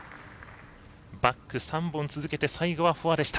バック３本続けて最後はフォアでした。